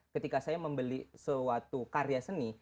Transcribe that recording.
ketika saya membeli suatu karya seni